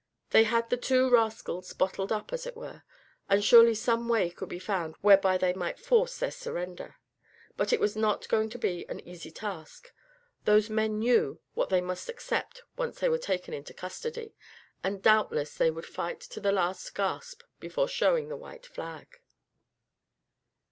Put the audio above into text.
They had the two rascals bottled up, as it were; and surely some way could be found whereby they might force their surrender. But it was not going to be an easy task. Those men knew what they must accept once they were taken into custody; and doubtless they would fight to the last gasp before showing the white flag.